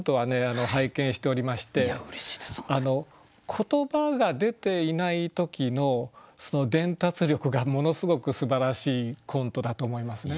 言葉が出ていない時の伝達力がものすごくすばらしいコントだと思いますね。